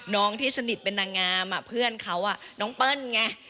น้องที่สนิทเป็นนางงามเพื่อนเขาน้องเปิ้ลไง